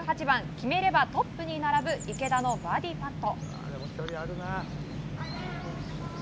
決めればトップに並ぶ池田のバーディーパット。